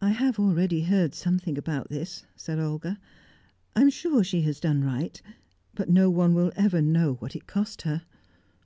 "I have already heard something about this," said Olga. "I'm sure she has done right, but no one will ever know what it cost her."